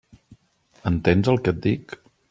Entens el que et dic?